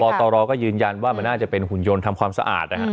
ตรก็ยืนยันว่ามันน่าจะเป็นหุ่นยนต์ทำความสะอาดนะฮะ